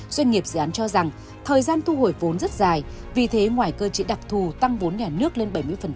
doanh nghiệp dự án cho rằng thời gian thu hồi vốn rất dài vì thế ngoài cơ chế đặc thù tăng vốn nhà nước lên bảy mươi